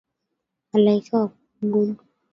Malaika wakuabudu.